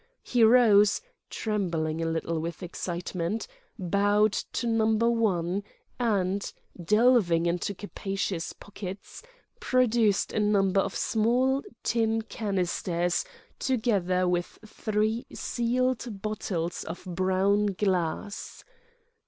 He rose, trembling a little with excitement, bowed to Number One and, delving into capacious pockets, produced a number of small tin canisters together with three sealed bottles of brown glass.